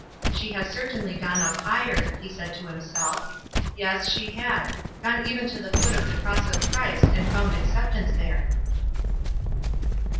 " She has certainly gone up higher," he said to himself. Yes, she had — gone even to the foot of the cross of Christ, and found acceptance there.